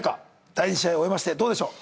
第二試合を終えましてどうでしょう？